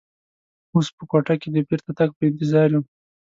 اوس په کوټه کې د بېرته تګ په انتظار یو.